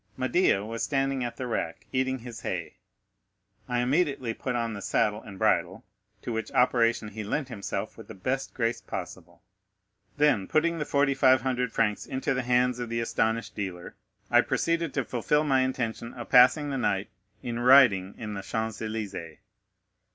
Médéah was standing at the rack, eating his hay. I immediately put on the saddle and bridle, to which operation he lent himself with the best grace possible; then, putting the 4,500 francs into the hands of the astonished dealer, I proceeded to fulfil my intention of passing the night in riding in the Champs Élysées.